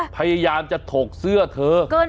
พยายามจะถกเสื้อเธอ